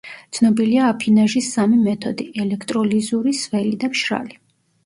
ცნობილია აფინაჟის სამი მეთოდი: ელექტროლიზური, სველი და მშრალი.